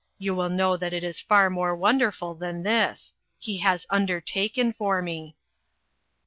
You will know that it is far more wonderful than this. He has 'undertaken ' for me."